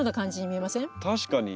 確かに。